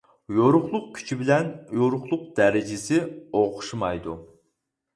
يورۇقلۇق كۈچى بىلەن يورۇقلۇق دەرىجىسى ئوخشىمايدۇ.